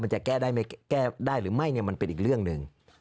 จะแก้ได้หรือไม่มันเป็นอีกเรื่องหนึ่ง